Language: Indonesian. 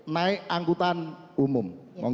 naik angkutan umum